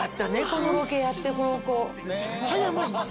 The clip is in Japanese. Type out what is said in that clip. このロケやってこの子。